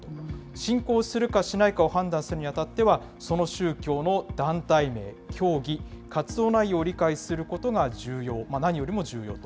信仰するかしないかを判断するにあたっては、その宗教の団体名、教義、活動内容を理解することが重要、何よりも重要と。